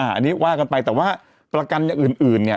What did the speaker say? อันนี้ว่ากันไปแต่ว่าประกันอย่างอื่นเนี่ย